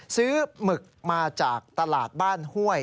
หมึกมาจากตลาดบ้านห้วย